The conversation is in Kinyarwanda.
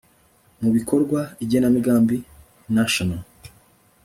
mu bikorwa igenamigambi National